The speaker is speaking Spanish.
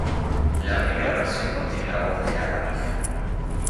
La primera versión contiene la voz de La Camilla.